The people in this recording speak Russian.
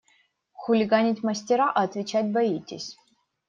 Хулиганить мастера, а отвечать боитесь!